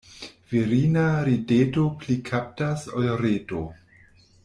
Virina rideto pli kaptas ol reto.